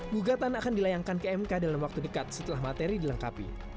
gugatan akan dilayangkan ke mk dalam waktu dekat setelah materi dilengkapi